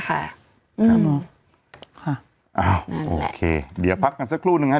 อืมค่ะนั่นแหละโอเคเดี๋ยวพักกันสักครู่หนึ่งนะครับ